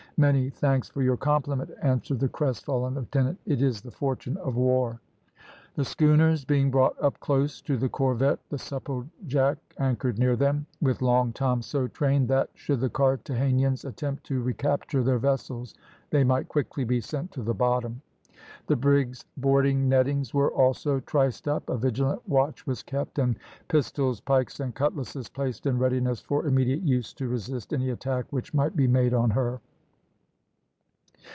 "Many thanks for your compliment," answered the crestfallen lieutenant. "It is the fortune of war." The schooners being brought up close to the corvette, the Supplejack anchored near them, with Long Tom so trained that, should the Carthagenans attempt to recapture their vessels, they might quickly be sent to the bottom. The brig's boarding nettings were also triced up, a vigilant watch was kept, and pistols, pikes, and cutlasses placed in readiness for immediate use to resist any attack which might be made on her.